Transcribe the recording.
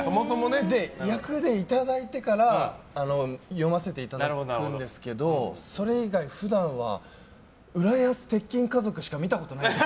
役でいただいてから読ませていただくんですけどそれ以外、普段は「浦安鉄筋家族」しか見たことないです。